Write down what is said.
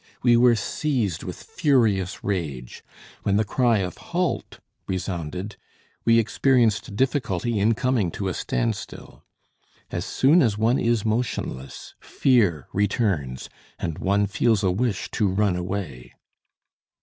We were seized with furious rage. When the cry of "Halt!" resounded, we experienced difficulty in coming to a standstill. As soon as one is motionless, fear returns and one feels a wish to run away.